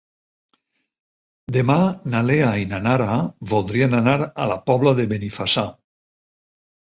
Demà na Lea i na Nara voldrien anar a la Pobla de Benifassà.